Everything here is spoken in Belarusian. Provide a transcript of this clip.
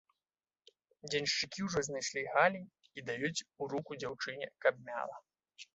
Дзеншчыкі ўжо знайшлі галень і даюць у руку дзяўчыне, каб мяла.